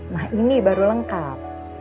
nah ini baru lengkap